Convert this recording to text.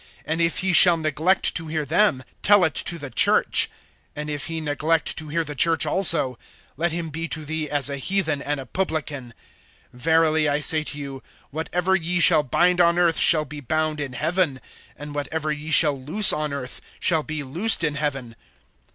(17)And if he shall neglect to hear them, tell it to the church; and if he neglect to hear the church also, let him be to thee as a heathen and a publican. (18)Verily I say to you: Whatever ye shall bind on earth shall be bound in heaven; and whatever ye shall loose on earth shall be loosed in heaven.